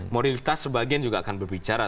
morilitas sebagian juga akan berbicara